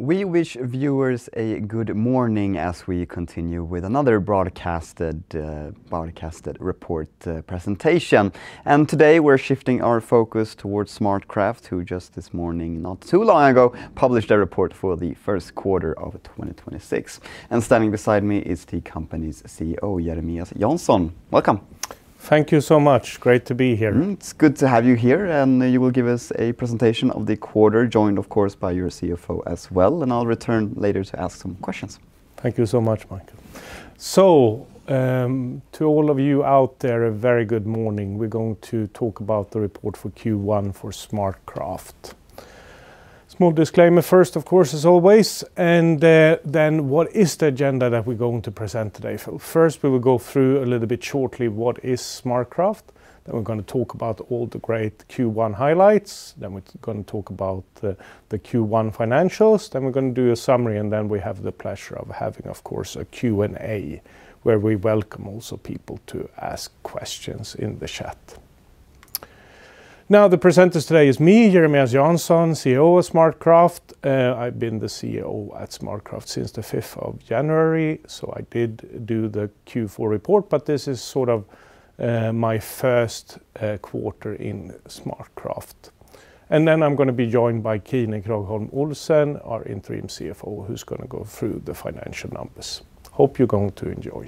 We wish viewers a good morning as we continue with another broadcasted report, presentation. Today we're shifting our focus towards SmartCraft, who just this morning, not too long ago, published a report for the first quarter of 2026. Standing beside me is the company's CEO, Jeremias Jansson. Welcome. Thank you so much. Great to be here. It's good to have you here, and you will give us a presentation of the quarter, joined of course by your CFO as well, and I'll return later to ask some questions. Thank you so much, [Michael]. To all of you out there, a very good morning. We're going to talk about the report for Q1 for SmartCraft. Small disclaimer first, of course, as always, what is the agenda that we're going to present today? First, we will go through a little bit shortly, what is SmartCraft, we're gonna talk about all the great Q1 highlights, we're gonna talk about the Q1 financials, we're gonna do a summary, we have the pleasure of having, of course, a Q&A, where we welcome also people to ask questions in the chat. The presenters today is me, Jeremias Jansson, CEO of SmartCraft. I've been the CEO at SmartCraft since the 5th of January, I did do the Q4 report, but this is sort of my first quarter in SmartCraft. I'm gonna be joined by Kine Kragholm Olsen, our interim CFO, who's gonna go through the financial numbers. Hope you're going to enjoy.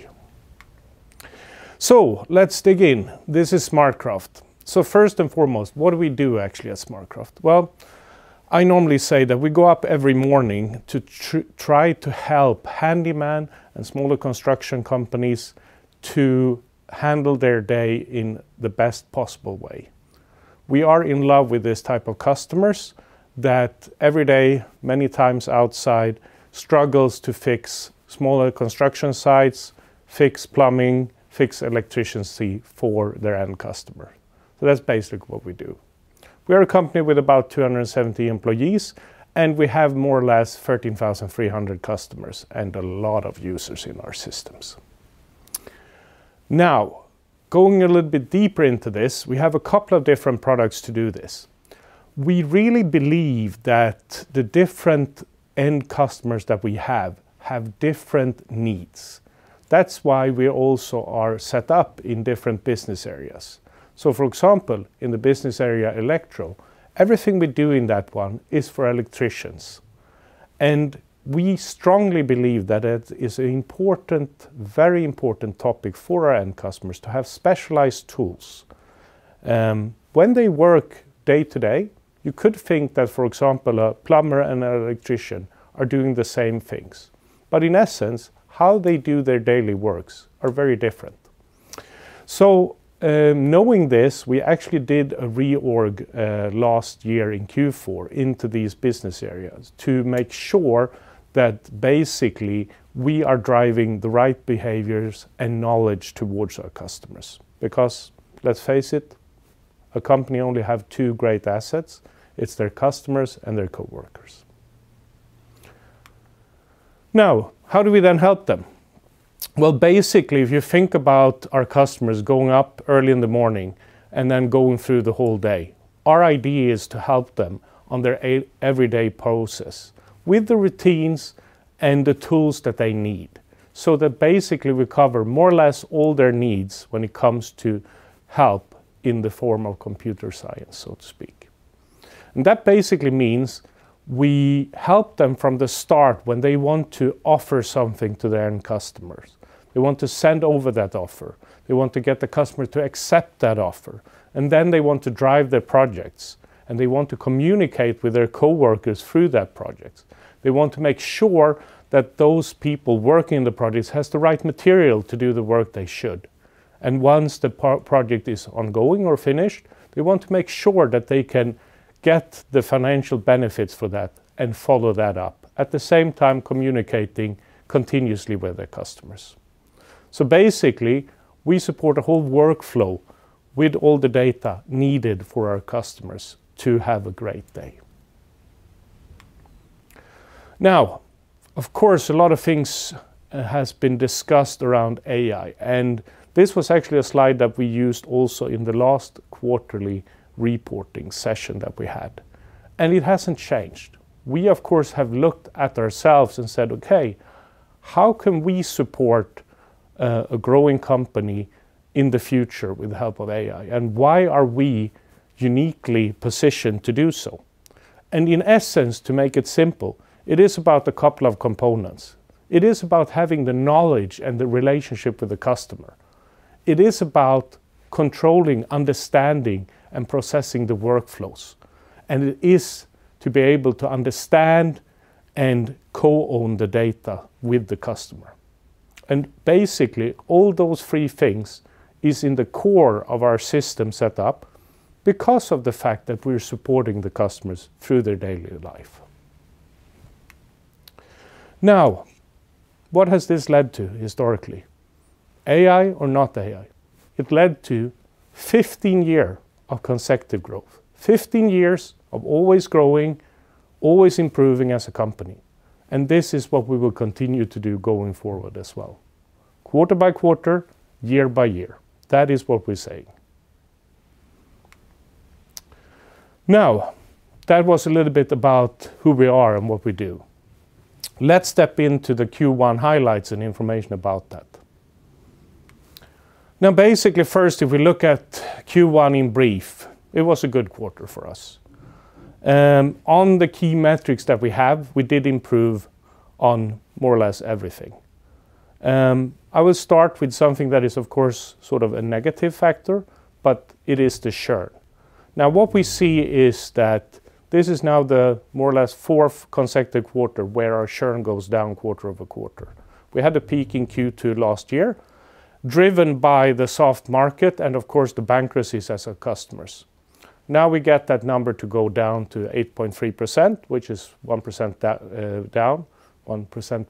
Let's dig in. This is SmartCraft. First and foremost, what do we do actually at SmartCraft? Well, I normally say that we go up every morning to try to help handymen and smaller construction companies to handle their day in the best possible way. We are in love with this type of customers, that every day, many times outside, struggles to fix smaller construction sites, fix plumbing, fix electricity for their end customer. That's basically what we do. We are a company with about 270 employees, and we have more or less 13,300 customers, and a lot of users in our systems. Going a little bit deeper into this, we have a couple of different products to do this. We really believe that the different end customers that we have have different needs. That's why we also are set up in different business areas. For example, in the business area Electro, everything we do in that one is for electricians, and we strongly believe that it is an important, very important topic for our end customers to have specialized tools. When they work day to day, you could think that, for example, a plumber and an electrician are doing the same things. In essence, how they do their daily works are very different. Knowing this, we actually did a reorg last year in Q4 into these business areas to make sure that basically we are driving the right behaviors and knowledge towards our customers. Let's face it, a company only have two great assets. It's their customers and their coworkers. How do we then help them? Basically, if you think about our customers going up early in the morning and then going through the whole day, our idea is to help them on their everyday process with the routines and the tools that they need, so that basically we cover more or less all their needs when it comes to help in the form of computer science, so to speak. That basically means we help them from the start when they want to offer something to their end customers. They want to send over that offer. They want to get the customer to accept that offer. Then they want to drive their projects, and they want to communicate with their coworkers through that project. They want to make sure that those people working the projects has the right material to do the work they should. Once the project is ongoing or finished, they want to make sure that they can get the financial benefits for that and follow that up, at the same time communicating continuously with their customers. Basically, we support a whole workflow with all the data needed for our customers to have a great day. Of course, a lot of things has been discussed around AI, and this was actually a slide that we used also in the last quarterly reporting session that we had. It hasn't changed. We of course have looked at ourselves and said, Okay, how can we support a growing company in the future with the help of AI, why are we uniquely positioned to do so? In essence, to make it simple, it is about a couple of components. It is about having the knowledge and the relationship with the customer. It is about controlling, understanding, and processing the workflows, it is to be able to understand and co-own the data with the customer. Basically, all those three things is in the core of our system set up because of the fact that we're supporting the customers through their daily life. Now, what has this led to historically? AI or not AI, it led to 15-year of consecutive growth. 15 years of always growing, always improving as a company. This is what we will continue to do going forward as well. Quarter-by-quarter, year-by-year. That is what we say. That was a little bit about who we are and what we do. Let's step into the Q1 highlights and information about that. Basically, first, if we look at Q1 in brief, it was a good quarter for us. On the key metrics that we have, we did improve on more or less everything. I will start with something that is, of course, sort of a negative factor. It is the churn. What we see is that this is now the more or less fourth consecutive quarter where our churn goes down quarter-over-quarter. We had a peak in Q2 last year, driven by the soft market and of course the bankruptcies as our customers. We get that number to go down to 8.3%, which is 1 percentage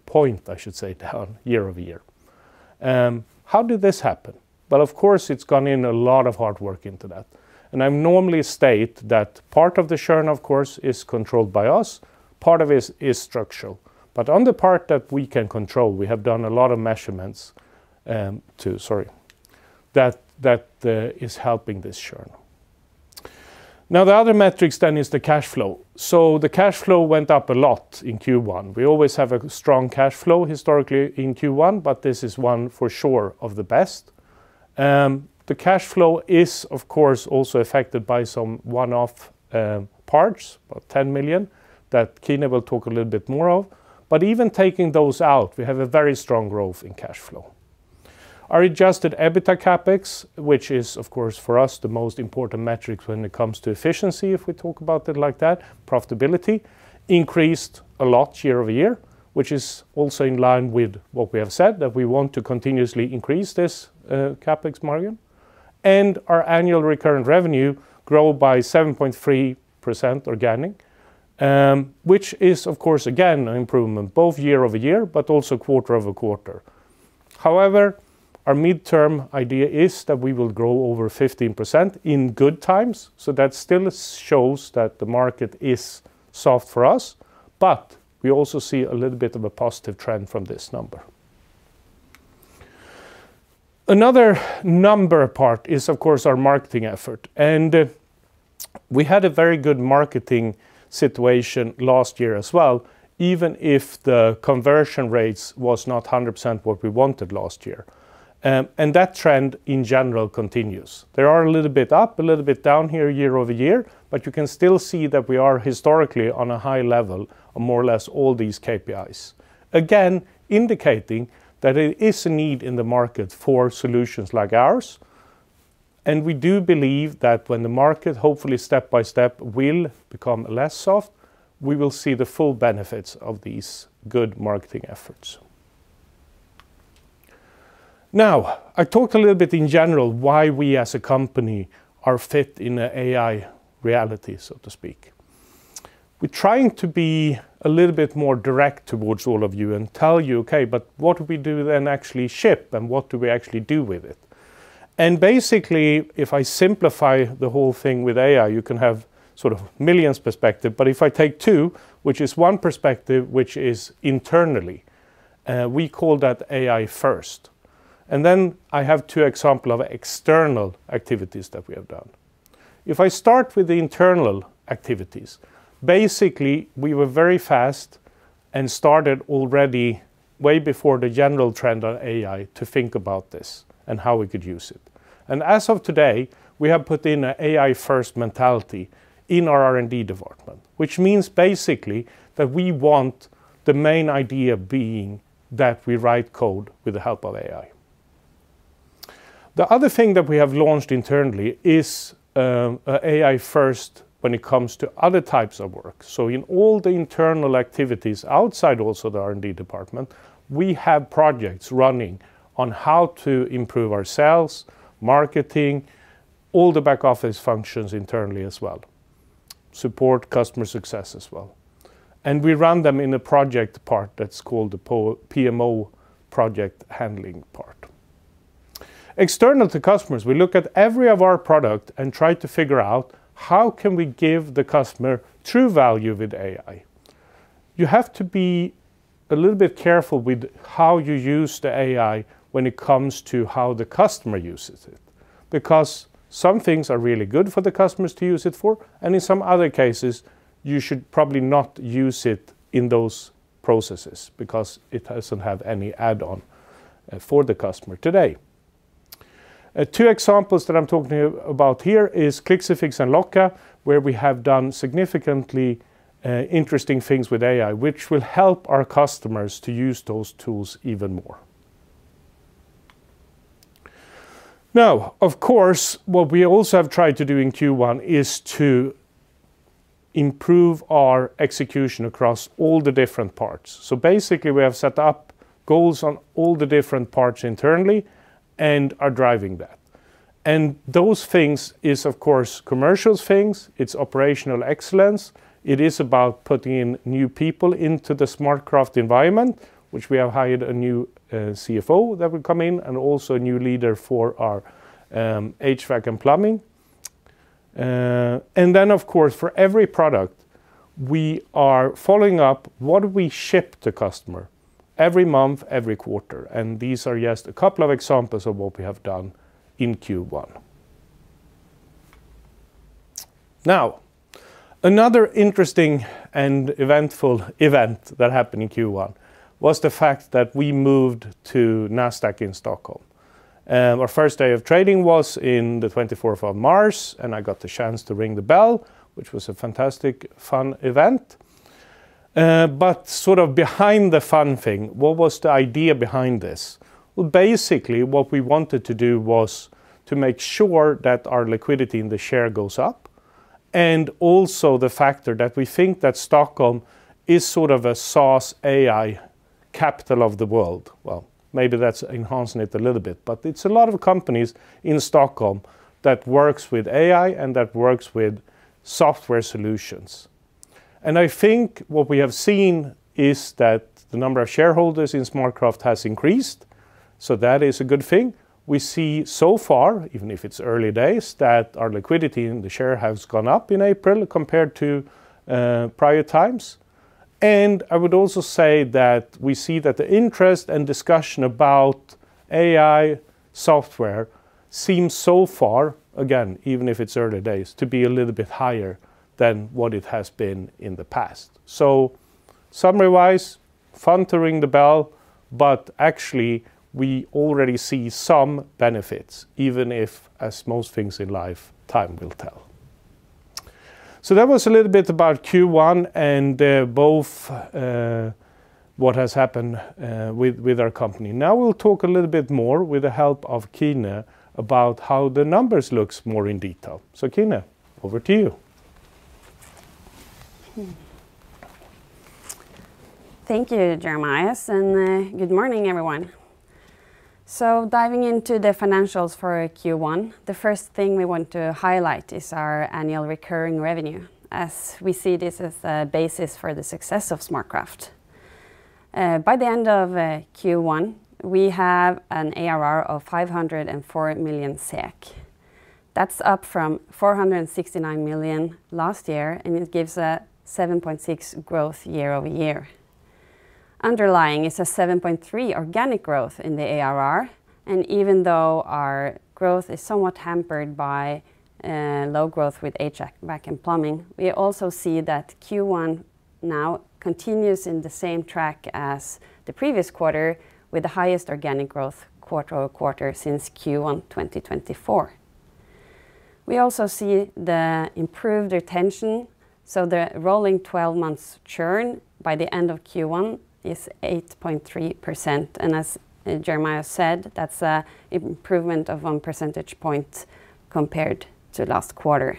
point, I should say, down year-over-year. How did this happen? Of course, it's gone in a lot of hard work into that. I normally state that part of the churn, of course, is controlled by us, part of it is structural. On the part that we can control, we have done a lot of measurements. That is helping this churn. The cash flow went up a lot in Q1. We always have a strong cash flow historically in Q1, this is one for sure of the best. The cash flow is, of course, also affected by some one-off parts, about 10 million, that Kine will talk a little bit more of. Even taking those out, we have a very strong growth in cash flow. Our adjusted EBITDA CapEx, which is, of course, for us the most important metrics when it comes to efficiency, if we talk about it like that, profitability, increased a lot year-over-year, which is also in line with what we have said, that we want to continuously increase this CapEx margin. Our annual recurrent revenue grow by 7.3% organic, which is, of course, again, an improvement both year-over-year, but also quarter-over-quarter. Our midterm idea is that we will grow over 15% in good times. That still shows that the market is soft for us. We also see a little bit of a positive trend from this number. Another number part is, of course, our marketing effort. We had a very good marketing situation last year as well, even if the conversion rates was not 100% what we wanted last year. That trend, in general, continues. They are a little bit up, a little bit down here year-over-year. You can still see that we are historically on a high level on more or less all these KPIs. Indicating that there is a need in the market for solutions like ours, we do believe that when the market, hopefully step by step, will become less soft, we will see the full benefits of these good marketing efforts. I talked a little bit in general why we as a company are fit in a AI reality, so to speak. We're trying to be a little bit more direct towards all of you and tell you, okay, but what do we do then actually ship, and what do we actually do with it? Basically, if I simplify the whole thing with AI, you can have sort of millions perspective. If I take two, which is one perspective, which is internally, we call that AI-first. Then I have two example of external activities that we have done. If I start with the internal activities, basically, we were very fast and started already way before the general trend on AI to think about this and how we could use it. As of today, we have put in a AI-first mentality in our R&D department, which means basically that we want the main idea being that we write code with the help of AI. The other thing that we have launched internally is, a AI-first when it comes to other types of work. In all the internal activities outside also the R&D department, we have projects running on how to improve our sales, marketing, all the back office functions internally as well, support customer success as well. We run them in a project part that's called the PO-PMO project handling part. External to customers, we look at every of our product and try to figure out how can we give the customer true value with AI. You have to be a little bit careful with how you use the AI when it comes to how the customer uses it, because some things are really good for the customers to use it for, and in some other cases, you should probably not use it in those processes because it doesn't have any add-on for the customer today. Two examples that I'm talking about here is clixifix and Locka, where we have done significantly interesting things with AI, which will help our customers to use those tools even more. Now, of course, what we also have tried to do in Q1 is to improve our execution across all the different parts. Basically, we have set up goals on all the different parts internally and are driving that. Those things is, of course, commercial things, it's operational excellence, it is about putting in new people into the SmartCraft environment, which we have hired a new CFO that will come in, and also a new leader for our HVAC & Plumbing. Of course, for every product. We are following up what we ship to customer every month, every quarter, and these are just a couple of examples of what we have done in Q1. Another interesting and eventful event that happened in Q1 was the fact that we moved to Nasdaq in Stockholm. Our first day of trading was in the 24th of March, and I got the chance to ring the bell, which was a fantastic, fun event. Sort of behind the fun thing, what was the idea behind this? Basically, what we wanted to do was to make sure that our liquidity in the share goes up, and also the factor that we think that Stockholm is sort of a SaaS AI capital of the world. Maybe that's enhancing it a little bit, it's a lot of companies in Stockholm that works with AI and that works with software solutions. I think what we have seen is that the number of shareholders in SmartCraft has increased, that is a good thing. We see so far, even if it's early days, that our liquidity in the share has gone up in April compared to prior times. I would also say that we see that the interest and discussion about AI software seems so far, again, even if it's early days, to be a little bit higher than what it has been in the past. Summary-wise, fun to ring the bell, but actually we already see some benefits, even if, as most things in life, time will tell. That was a little bit about Q1 and both what has happened with our company. Now we'll talk a little bit more with the help of Kine about how the numbers looks more in detail. Kine, over to you. Thank you, Jeremias, and good morning, everyone. Diving into the financials for Q1, the first thing we want to highlight is our annual recurring revenue, as we see this as a basis for the success of SmartCraft. By the end of Q1, we have an ARR of 504 million SEK. That's up from 469 million last year, and it gives a 7.6% growth year-over-year. Underlying is a 7.3% organic growth in the ARR, and even though our growth is somewhat hampered by low growth with HVAC and Plumbing, we also see that Q1 now continues in the same track as the previous quarter with the highest organic growth quarter-over-quarter since Q1 2024. We also see the improved retention, so the rolling 12 months churn by the end of Q1 is 8.3%, and as Jeremias said, that's a improvement of 1 percentage point compared to last quarter.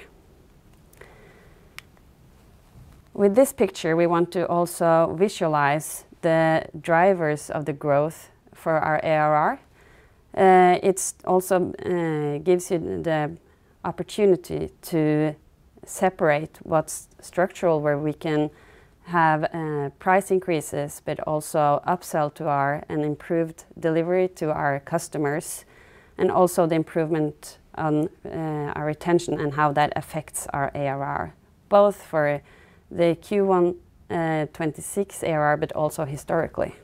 With this picture, we want to also visualize the drivers of the growth for our ARR. It's also gives you the opportunity to separate what's structural, where we can have price increases but also upsell to our, an improved delivery to our customers, and also the improvement on our retention and how that affects our ARR, both for the Q1 2026 ARR, but also historically.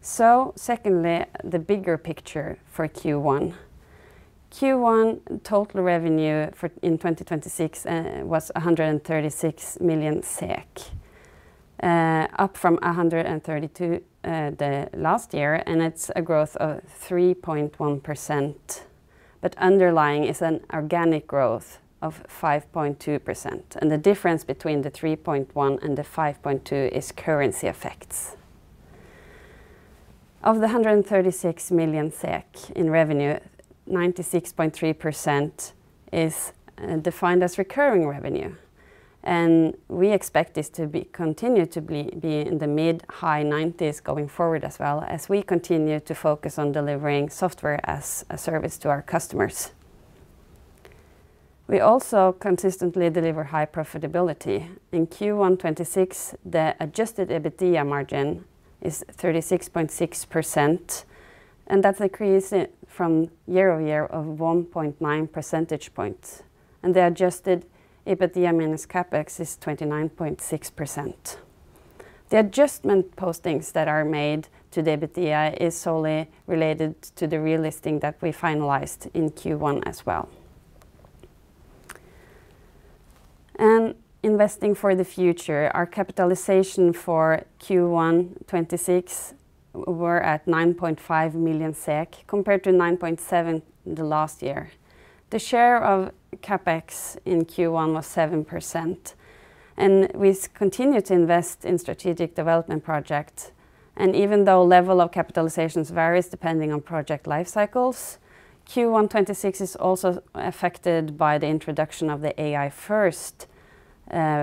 Secondly, the bigger picture for Q1. Q1 total revenue for, in 2026, was 136 million SEK, up from 132 million the last year, and it's a growth of 3.1%. Underlying is an organic growth of 5.2%, and the difference between the 3.1% and the 5.2% is currency effects. Of the 136 million SEK in revenue, 96.3% is defined as recurring revenue, and we expect this to continue to be in the mid-high nineties going forward as well as we continue to focus on delivering Software as a Service to our customers. We also consistently deliver high profitability. In Q1 2026, the adjusted EBITDA margin is 36.6%, and that's increase from year-over-year of 1.9 percentage points. The adjusted EBITDA minus CapEx is 29.6%. The adjustment postings that are made to the EBITDA is solely related to the relisting that we finalized in Q1 as well. Investing for the future, our capitalization for Q1 2026 were at 9.5 million SEK compared to 9.7 million last year. The share of CapEx in Q1 was 7%, we continue to invest in strategic development projects. Even though level of capitalizations varies depending on project life cycles, Q1 2026 is also affected by the introduction of the AI-first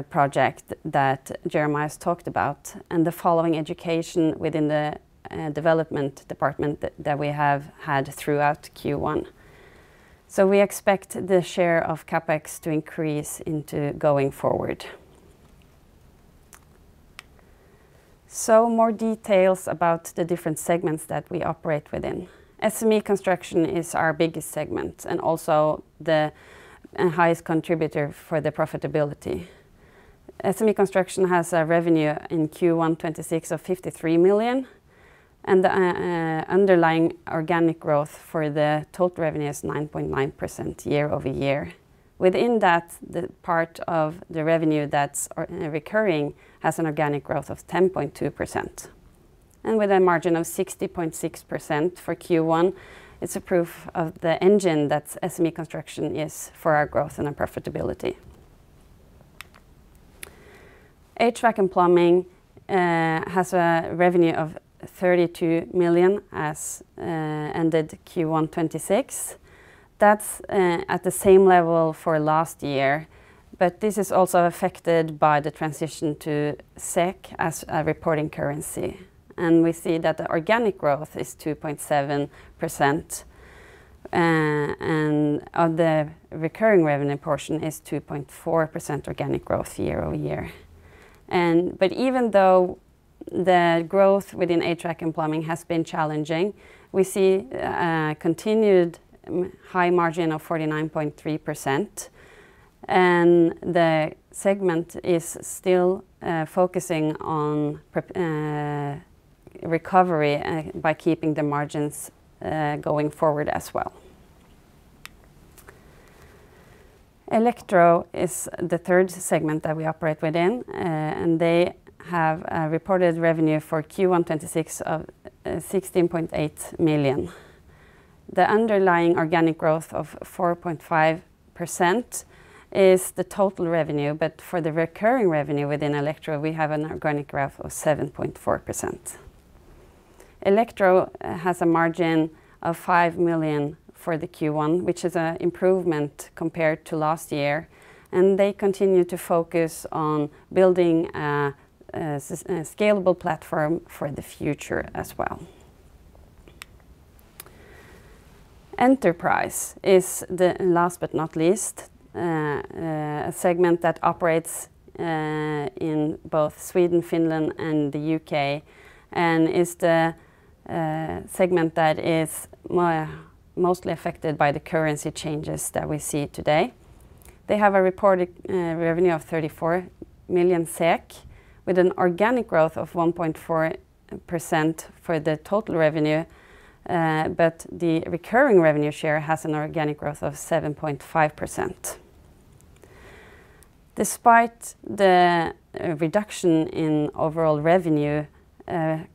project that Jeremias talked about and the following education within the Development department that we have had throughout Q1. We expect the share of CapEx to increase into going forward. More details about the different segments that we operate within. SME Construction is our biggest segment, also the highest contributor for the profitability. SME Construction has a revenue in Q1 2026 of 53 million. Underlying organic growth for the total revenue is 9.9% year-over-year. Within that, the part of the revenue that's recurring has an organic growth of 10.2%. With a margin of 60.6% for Q1, it's a proof of the engine that SME Construction is for our growth and our profitability. HVAC & Plumbing has a revenue of 32 million as ended Q1 2026. That's at the same level for last year. This is also affected by the transition to SEK as a reporting currency. We see that the organic growth is 2.7%. Of the recurring revenue portion is 2.4% organic growth year-over-year. Even though the growth within HVAC & Plumbing has been challenging, we see a continued high margin of 49.3%, and the segment is still focusing on recovery by keeping the margins going forward as well. Electro is the third segment that we operate within. They have a reported revenue for Q1 2026 of 16.8 million. The underlying organic growth of 4.5% is the total revenue, but for the recurring revenue within Electro, we have an organic growth of 7.4%. Electro has a margin of 5 million for the Q1, which is an improvement compared to last year. They continue to focus on building a scalable platform for the future as well. Enterprise is the, last but not least, segment that operates in both Sweden, Finland, and the U.K., and is the segment that is mostly affected by the currency changes that we see today. They have a reported revenue of 34 million SEK, with an organic growth of 1.4% for the total revenue, but the recurring revenue share has an organic growth of 7.5%. Despite the reduction in overall revenue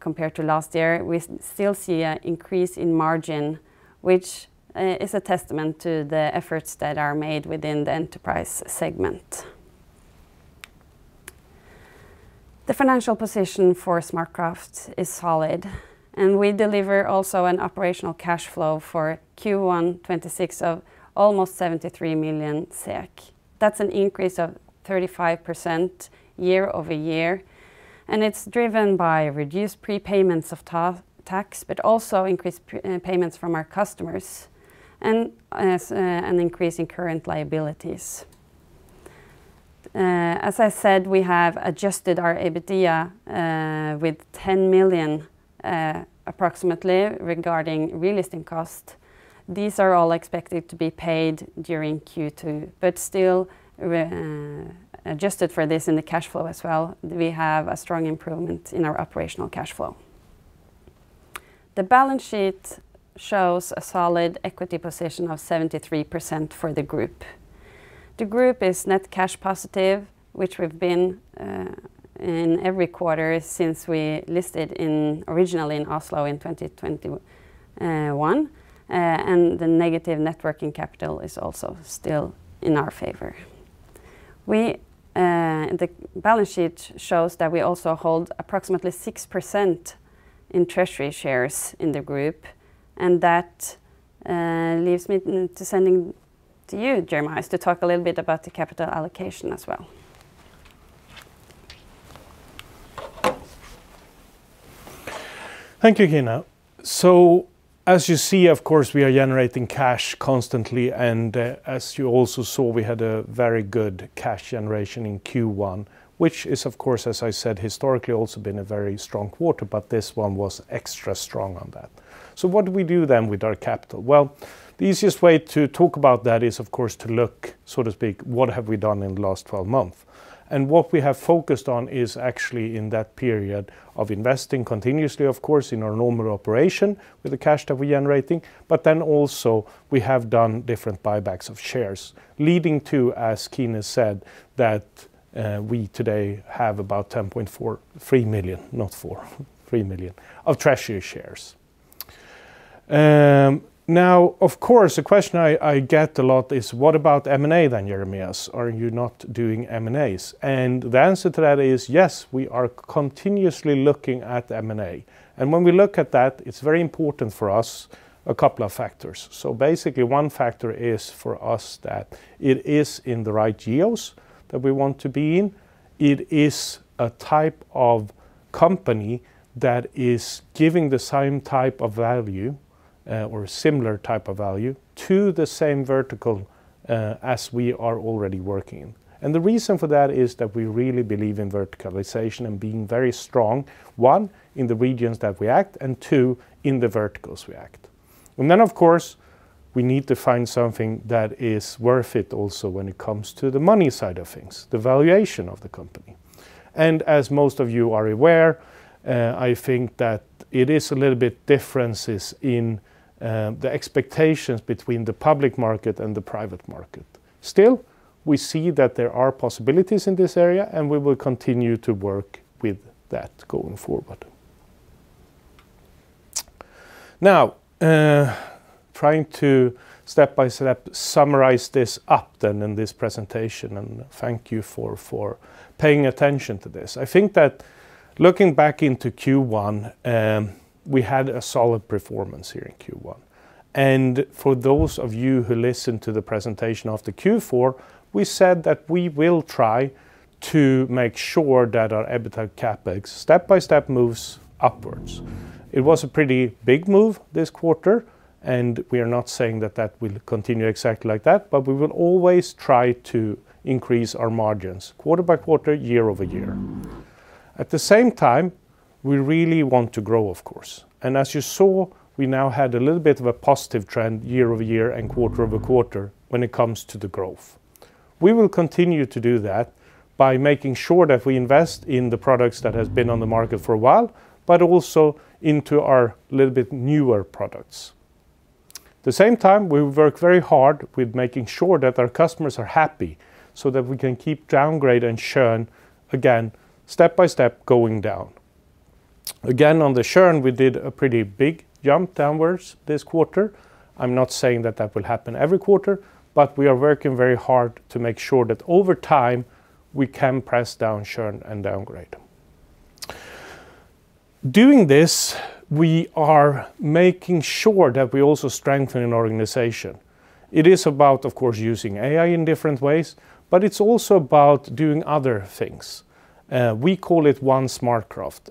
compared to last year, we still see a increase in margin, which is a testament to the efforts that are made within the Enterprise segment. The financial position for SmartCraft is solid, and we deliver also an operational cash flow for Q1 2026 of almost 73 million SEK. That's an increase of 35% year-over-year, and it's driven by reduced prepayments of tax, but also increased payments from our customers, and as an increase in current liabilities. As I said, we have adjusted our EBITDA with 10 million approximately regarding relisting cost. These are all expected to be paid during Q2. Still, adjusted for this in the cash flow as well, we have a strong improvement in our operational cash flow. The balance sheet shows a solid equity position of 73% for the group. The group is net cash positive, which we've been in every quarter since we listed in, originally in Oslo in 2021. The negative net working capital is also still in our favor. We, the balance sheet shows that we also hold approximately 6% in Treasury shares in the group. That leaves me to sending to you, Jeremias, to talk a little bit about the capital allocation as well. Thank you, Kine. As you see, of course, we are generating cash constantly, and as you also saw, we had a very good cash generation in Q1, which is, of course, as I said, historically also been a very strong quarter, but this one was extra strong on that. What do we do then with our capital? Well, the easiest way to talk about that is, of course, to look, so to speak, what have we done in the last 12 month. What we have focused on is actually in that period of investing continuously, of course, in our normal operation with the cash that we're generating, but then also we have done different buybacks of shares, leading to, as Kine said, that we today have about 10.43 million, not 4.3 million of Treasury shares. Now of course, a question I get a lot is, What about M&A, Jeremias? Are you not doing M&As? The answer to that is, yes, we are continuously looking at M&A. When we look at that, it's very important for us, a couple of factors. Basically one factor is for us that it is in the right geos that we want to be in. It is a type of company that is giving the same type of value, or a similar type of value to the same vertical, as we are already working. The reason for that is that we really believe in verticalization and being very strong, one, in the regions that we act, and two, in the verticals we act. Then of course, we need to find something that is worth it also when it comes to the money side of things, the valuation of the company. As most of you are aware, I think that it is a little bit differences in the expectations between the public market and the private market. Still, we see that there are possibilities in this area, and we will continue to work with that going forward. Trying to step-by-step summarize this up then in this presentation, and thank you for paying attention to this. I think that looking back into Q1, we had a solid performance here in Q1. For those of you who listened to the presentation after Q4, we said that we will try to make sure that our EBITDA CapEx step-by-step moves upwards. It was a pretty big move this quarter, and we are not saying that that will continue exactly like that, but we will always try to increase our margins quarter-by-quarter, year-over-year. At the same time, we really want to grow, of course. As you saw, we now had a little bit of a positive trend year-over-year and quarter-over-quarter when it comes to the growth. We will continue to do that by making sure that we invest in the products that has been on the market for a while, but also into our little bit newer products. The same time, we work very hard with making sure that our customers are happy so that we can keep downgrade and churn, again, step-by-step going down. Again, on the churn, we did a pretty big jump downwards this quarter. I'm not saying that that will happen every quarter, but we are working very hard to make sure that over time, we can press down churn and downgrade. Doing this, we are making sure that we also strengthen an organization. It is about, of course, using AI in different ways, but it's also about doing other things. We call it One SmartCraft,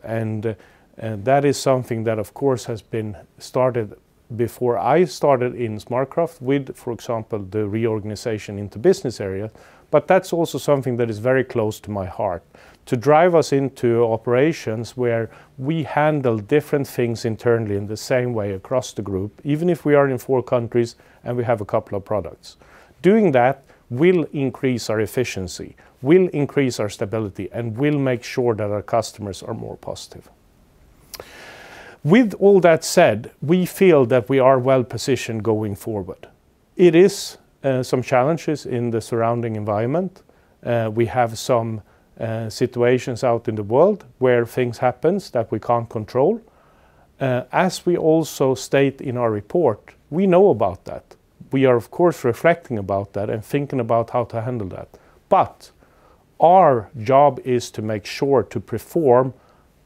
and that is something that, of course, has been started before I started in SmartCraft with, for example, the reorganization into business area, but that's also something that is very close to my heart. To drive us into operations where we handle different things internally in the same way across the group, even if we are in four countries and we have a couple of products. Doing that will increase our efficiency, will increase our stability, and will make sure that our customers are more positive. With all that said, we feel that we are well-positioned going forward. It is some challenges in the surrounding environment. We have some situations out in the world where things happens that we can't control. As we also state in our report, we know about that. We are, of course, reflecting about that and thinking about how to handle that. Our job is to make sure to perform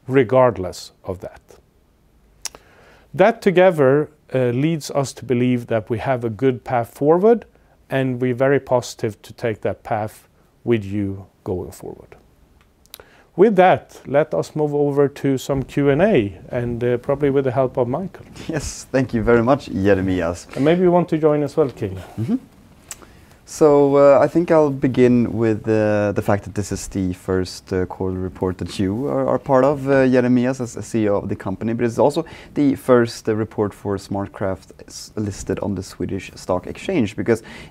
regardless of that. That together leads us to believe that we have a good path forward, and we're very positive to take that path with you going forward. With that, let us move over to some Q&A, and probably with the help of Michael. Yes. Thank you very much, Jeremias. Maybe you want to join as well, Kine. I think I'll begin with the fact that this is the first quarter report that you are part of, Jeremias, as CEO of the company. It's also the first report for SmartCraft listed on Swedish Stock Exchange.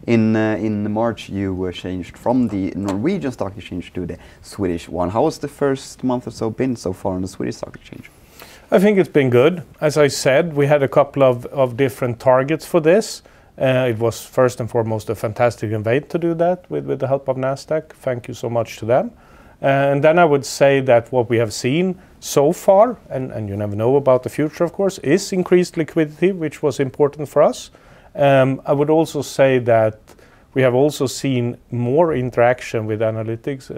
In March, you were changed from the Norwegian Stock Exchange to the Swedish one. How has the first month or so been so far on Swedish Stock Exchange? I think it's been good. As I said, we had a couple of different targets for this. It was first and foremost a fantastic event to do that with the help of Nasdaq. Thank you so much to them. Then I would say that what we have seen so far, and you never know about the future, of course, is increased liquidity, which was important for us. I would also say that we have also seen more interaction with analytics,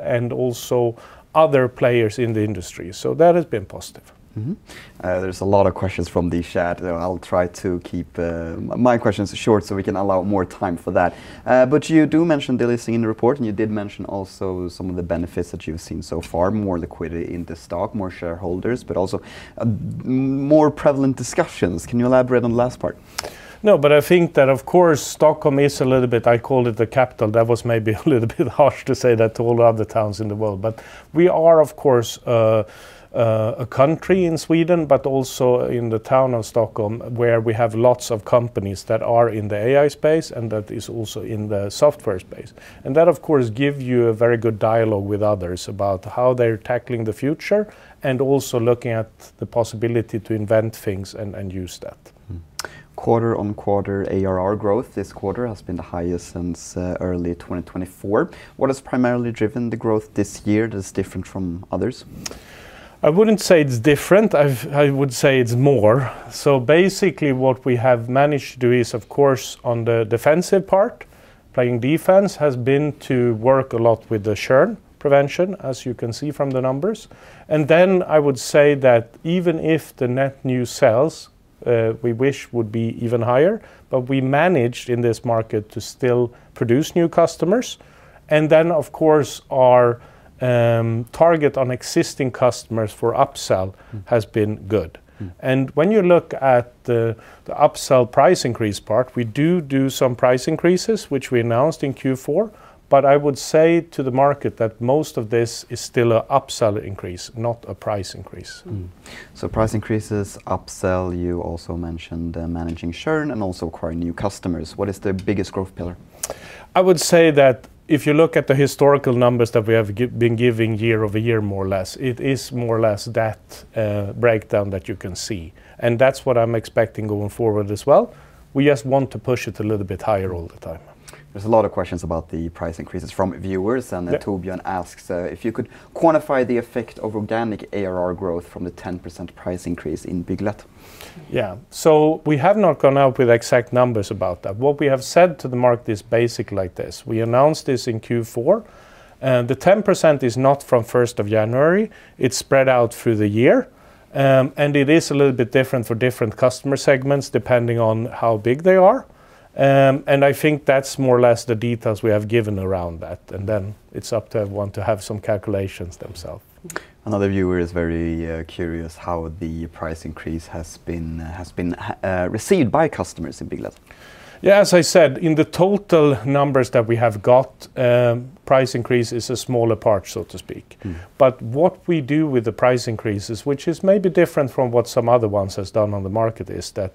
and also other players in the industry. That has been positive. Mm-hmm. There's a lot of questions from the chat. I'll try to keep my questions short so we can allow more time for that. You do mention the listing in the report, and you did mention also some of the benefits that you've seen so far, more liquidity in the stock, more shareholders, but also a more prevalent discussions. Can you elaborate on the last part? I think that, of course, Stockholm is a little bit, I call it the capital. That was maybe a little bit harsh to say that to all the other towns in the world. We are, of course, a country in Sweden, but also in the town of Stockholm, where we have lots of companies that are in the AI space, and that is also in the software space. That, of course, give you a very good dialogue with others about how they're tackling the future and also looking at the possibility to invent things and use that. Quarter-on-quarter ARR growth this quarter has been the highest since early 2024. What has primarily driven the growth this year that's different from others? I wouldn't say it's different. I would say it's more. Basically, what we have managed to do is, of course, on the defensive part, playing defense, has been to work a lot with the churn prevention, as you can see from the numbers. I would say that even if the net new sales, we wish would be even higher, but we managed in this market to still produce new customers. Of course our target on existing customers for upsell has been good. When you look at the upsell price increase part, we do some price increases, which we announced in Q4, but I would say to the market that most of this is still a upsell increase, not a price increase. Price increases, upsell, you also mentioned, managing churn and also acquiring new customers. What is the biggest growth pillar? I would say that if you look at the historical numbers that we have been giving year-over-year, more or less, it is more or less that breakdown that you can see, and that's what I'm expecting going forward as well. We just want to push it a little bit higher all the time. There's a lot of questions about the price increases from viewers. Yeah Torbjörn asks, "If you could quantify the effect of organic ARR growth from the 10% price increase in Bygglet? Yeah. We have not gone out with exact numbers about that. What we have said to the market is basic like this. We announced this in Q4. The 10% is not from 1st of January. It's spread out through the year. It is a little bit different for different customer segments depending on how big they are, I think that's more or less the details we have given around that, and then it's up to everyone to have some calculations themselves. Another viewer is very curious how the price increase has been received by customers in Bygglet. As I said, in the total numbers that we have got, price increase is a smaller part, so to speak. What we do with the price increases, which is maybe different from what some other ones has done on the market, is that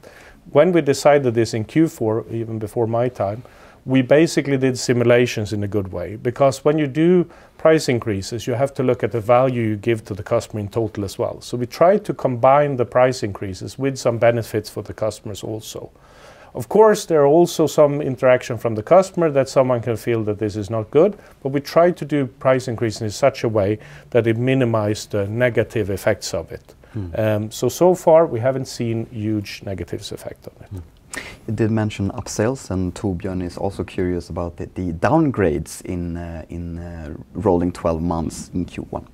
when we decided this in Q4, even before my time, we basically did simulations in a good way. When you do price increases, you have to look at the value you give to the customer in total as well. We try to combine the price increases with some benefits for the customers also. Of course, there are also some interaction from the customer that someone can feel that this is not good, but we try to do price increases in such a way that it minimize the negative effects of it. So far, we haven't seen huge negatives effect of it. You did mention upsells, and Torbjörn is also curious about the downgrades in rolling 12 months in Q1.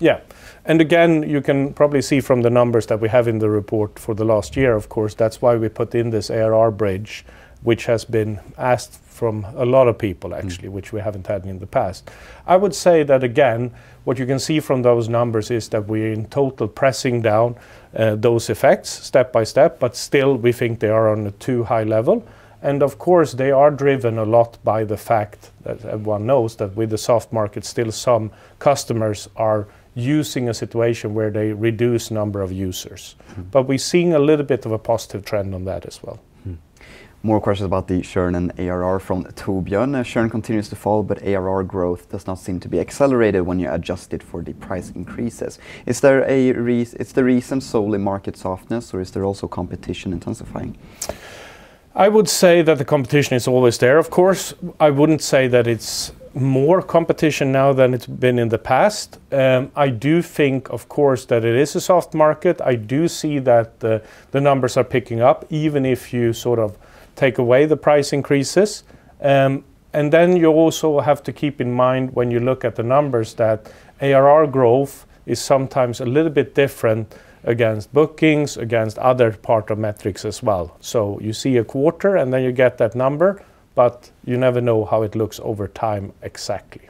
Yeah. Again, you can probably see from the numbers that we have in the report for the last year, of course, that's why we put in this ARR bridge, which has been asked from a lot of people, actually. which we haven't had in the past. I would say that, again, what you can see from those numbers is that we, in total, pressing down those effects step by step, but still we think they are on a too high level. Of course, they are driven a lot by the fact that everyone knows that with the soft market still some customers are using a situation where they reduce number of users. We're seeing a little bit of a positive trend on that as well. More questions about the churn and ARR from Torbjörn. Churn continues to fall, but ARR growth does not seem to be accelerated when you adjust it for the price increases. Is the reason solely market softness, or is there also competition intensifying? I would say that the competition is always there, of course. I wouldn't say that it's more competition now than it's been in the past. I do think, of course, that it is a soft market. I do see that the numbers are picking up, even if you sort of take away the price increases. Then you also have to keep in mind when you look at the numbers that ARR growth is sometimes a little bit different against bookings, against other part of metrics as well. You see a quarter, then you get that number, you never know how it looks over time exactly.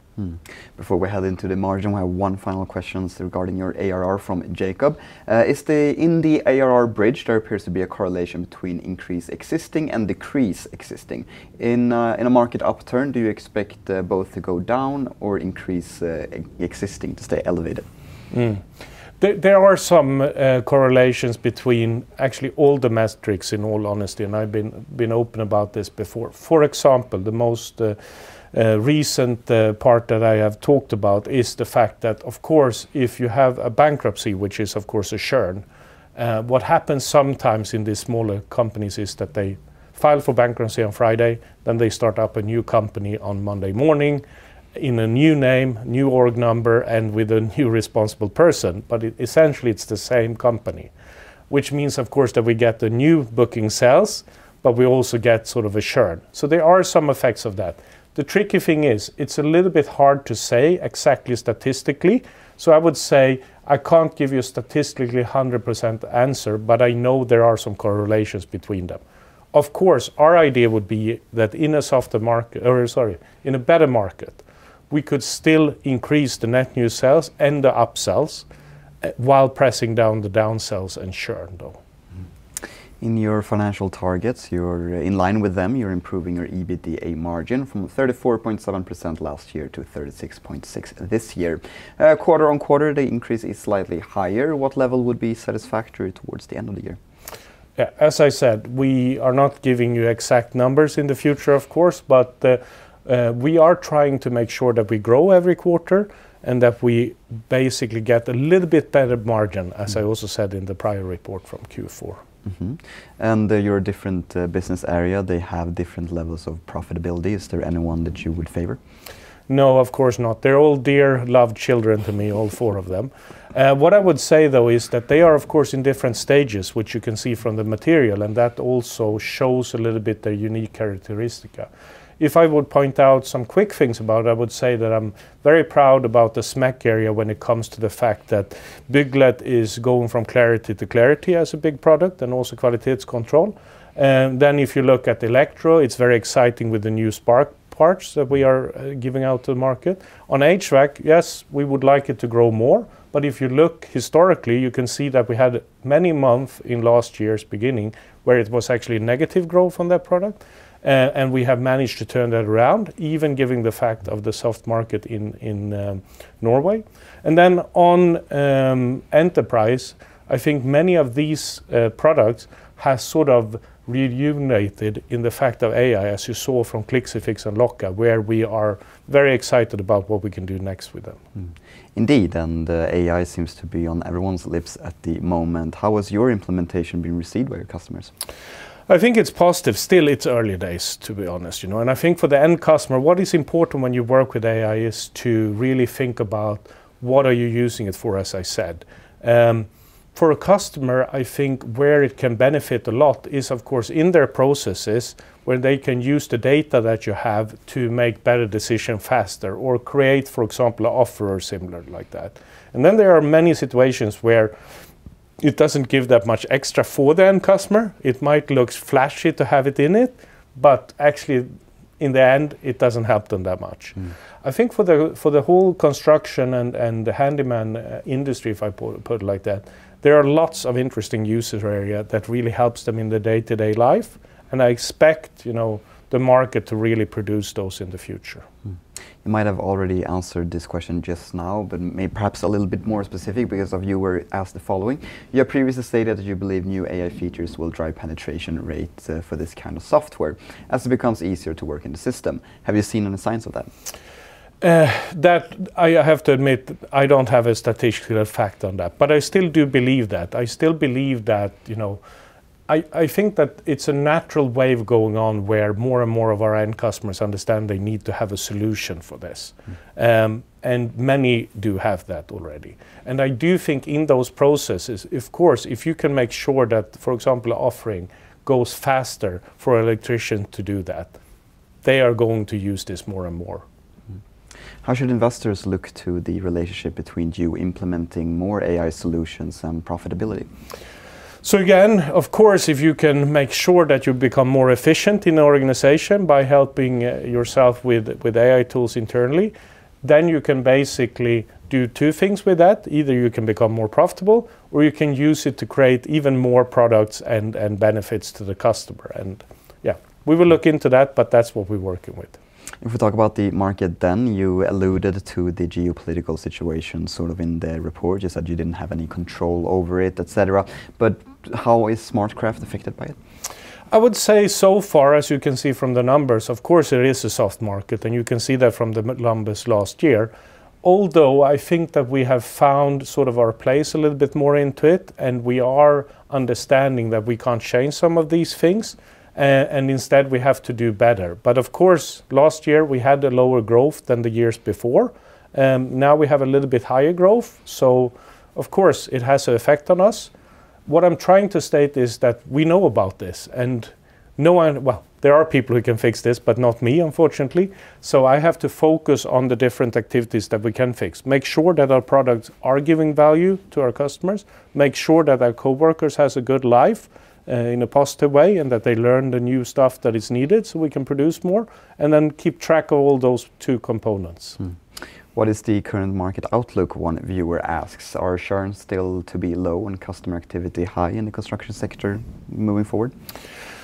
Before we head into the margin, we have one final question regarding your ARR from Jacob. In the ARR bridge, there appears to be a correlation between increase existing and decrease existing. In a market upturn, do you expect both to go down or increase existing to stay elevated? There are some correlations between actually all the metrics, in all honesty, and I've been open about this before. For example, the most recent part that I have talked about is the fact that, of course, if you have a bankruptcy, which is, of course, a churn, what happens sometimes in these smaller companies is that they file for bankruptcy on Friday, then they start up a new company on Monday morning in a new name, new org number, and with a new responsible person. Essentially, it's the same company, which means, of course, that we get the new booking sales, but we also get sort of a churn. There are some effects of that. The tricky thing is it's a little bit hard to say exactly statistically, I would say I can't give you a statistically 100% answer, but I know there are some correlations between them. Of course, our idea would be that in a softer market, or, sorry, in a better market, we could still increase the net new sales and the upsells, while pressing down the down sales and churn, though. In your financial targets, you're in line with them. You're improving your EBITDA margin from 34.7% last year to 36.6% this year. Quarter-over-quarter, the increase is slightly higher. What level would be satisfactory towards the end of the year? Yeah, as I said, we are not giving you exact numbers in the future of course, but we are trying to make sure that we grow every quarter and that we basically get a little bit better margin, as I also said in the prior report from Q4. Your different business area, they have different levels of profitability. Is there anyone that you would favor? No, of course not. They're all dear loved children to me, all four of them. What I would say though is that they are of course in different stages, which you can see from the material, and that also shows a little bit the unique characteristic. If I would point out some quick things about, I would say that I'm very proud about the SME Construction area when it comes to the fact that Bygglet is going from clarity to clarity as a big product, and also Kvalitetskontroll. If you look at the Electro, it's very exciting with the new SmartCraft Spark that we are giving out to market. On HVAC, yes, we would like it to grow more, but if you look historically, you can see that we had many months in last year's beginning where it was actually negative growth on that product. We have managed to turn that around, even given the fact of the soft market in Norway. On Enterprise, I think many of these products has sort of rejuvenated in the fact of AI, as you saw from clixifix and Locka, where we are very excited about what we can do next with them. Indeed, AI seems to be on everyone's lips at the moment. How has your implementation been received by your customers? I think it's positive. Still, it's early days, to be honest, you know. I think for the end customer, what is important when you work with AI is to really think about what are you using it for, as I said. For a customer, I think where it can benefit a lot is of course in their processes where they can use the data that you have to make better decision faster or create, for example, a offer or similar like that. Then there are many situations where it doesn't give that much extra for the end customer. It might look flashy to have it in it, but actually in the end it doesn't help them that much. I think for the whole construction and the handyman industry, if I put it like that, there are lots of interesting usage area that really helps them in the day-to-day life, and I expect, you know, the market to really produce those in the future. You might have already answered this question just now, but may perhaps a little bit more specific because a viewer asked the following: You have previously stated that you believe new AI features will drive penetration rates for this kind of software as it becomes easier to work in the system. Have you seen any signs of that? That I have to admit I don't have a statistical fact on that, I still do believe that. I still believe that, you know, I think that it's a natural wave going on where more and more of our end customers understand they need to have a solution for this. Many do have that already. I do think in those processes, of course if you can make sure that, for example, a offering goes faster for electrician to do that, they are going to use this more and more. How should investors look to the relationship between you implementing more AI solutions and profitability? Again, of course if you can make sure that you become more efficient in the organization by helping yourself with AI tools internally, then you can basically do two things with that. Either you can become more profitable or you can use it to create even more products and benefits to the customer. Yeah, we will look into that, but that's what we're working with. If we talk about the market then, you alluded to the geopolitical situation sort of in the report. You said you didn't have any control over it, et cetera, but how is SmartCraft affected by it? I would say so far, as you can see from the numbers, of course there is a soft market, and you can see that from the numbers last year. Although I think that we have found sort of our place a little bit more into it and we are understanding that we can't change some of these things and instead we have to do better. Of course, last year we had the lower growth than the years before. Now we have a little bit higher growth, of course it has a effect on us. What I'm trying to state is that we know about this and no one. Well, there are people who can fix this, but not me unfortunately, so I have to focus on the different activities that we can fix, make sure that our products are giving value to our customers, make sure that our coworkers has a good life in a positive way, and that they learn the new stuff that is needed so we can produce more, and then keep track of all those two components. What is the current market outlook? one viewer asks. Are churn still to be low and customer activity high in the construction sector moving forward?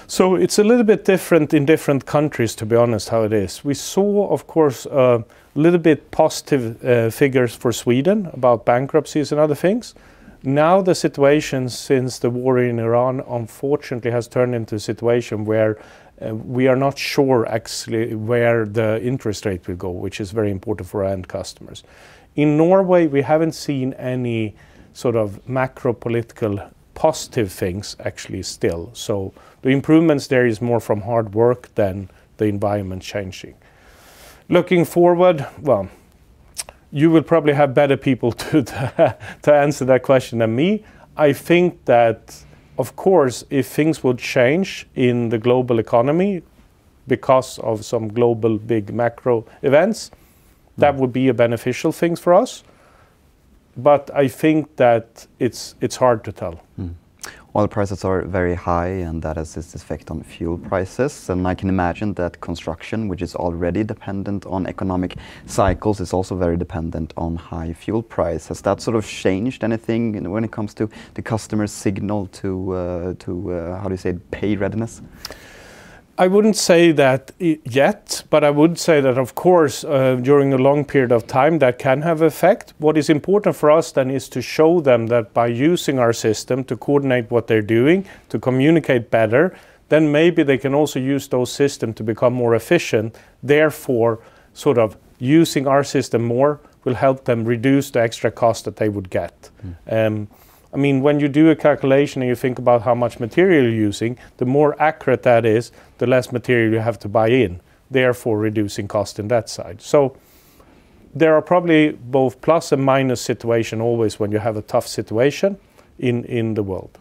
It's a little bit different in different countries, to be honest, how it is. We saw of course a little bit positive figures for Sweden about bankruptcies and other things. Now the situation since the war in Ukraine unfortunately has turned into a situation where we are not sure actually where the interest rate will go, which is very important for our end customers. In Norway, we haven't seen any sort of macro political positive things actually still. The improvements there is more from hard work than the environment changing. Looking forward, well, you will probably have better people to answer that question than me. I think that of course if things would change in the global economy because of some global big macro events, that would be a beneficial things for us. I think that it's hard to tell. Oil prices are very high, and that has its effect on fuel prices, and I can imagine that construction, which is already dependent on economic cycles, is also very dependent on high fuel price. Has that sort of changed anything, you know, when it comes to the customer's signal to how do you say, pay readiness? I wouldn't say that yet, but I would say that of course, during a long period of time, that can have effect. What is important for us then is to show them that by using our system to coordinate what they're doing, to communicate better, then maybe they can also use those system to become more efficient. Therefore, sort of using our system more will help them reduce the extra cost that they would get. I mean, when you do a calculation and you think about how much material you're using, the more accurate that is, the less material you have to buy in, therefore reducing cost in that side. There are probably both plus and minus situation always when you have a tough situation in the world.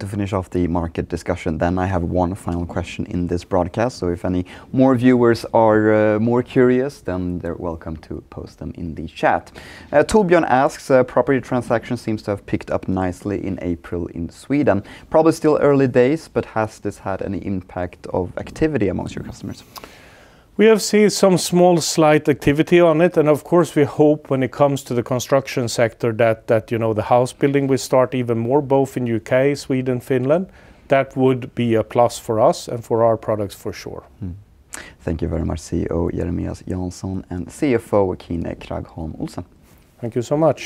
To finish off the market discussion then, I have one final question in this broadcast, so if any more viewers are more curious, then they're welcome to post them in the chat. Torbjörn asks, Property transactions seems to have picked up nicely in April in Sweden. Probably still early days, but has this had any impact of activity amongst your customers? We have seen some small slight activity on it, and of course we hope when it comes to the construction sector that, you know, the house building will start even more both in U.K., Sweden, Finland. That would be a plus for us and for our products for sure. Thank you very much, CEO Jeremias Jansson and CFO Kine Kragholm Olsen. Thank you so much.